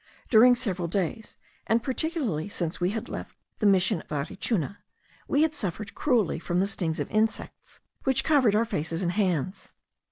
During several days, and particularly since we had left the Mission of Arichuna, we had suffered cruelly from the stings of insects, which covered our faces and hands.